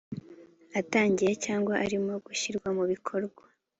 atangira cyangwa arimo gushyirwa mubikorwa